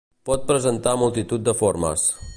Pot presentar multitud de formes.